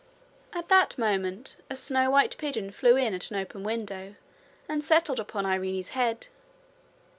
At that moment a snow white pigeon flew in at an open window and settled upon Irene's head.